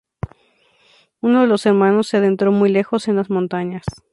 Uno de los hermanos se adentró muy lejos en las montañas.